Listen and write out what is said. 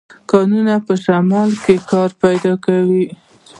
کانونه په شمال کې کار پیدا کوي.